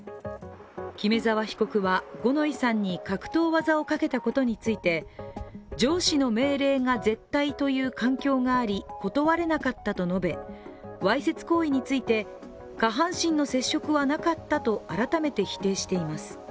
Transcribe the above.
木目沢被告は五ノ井さんに格闘技をかけたことについて上司の命令が絶対という環境があり断れなかったと述べ、わいせつ行為について、下半身の接触はなかったと改めて否定しています。